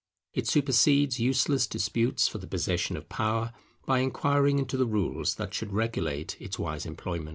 It supersedes useless disputes for the possession of power, by inquiring into the rules that should regulate its wise employment.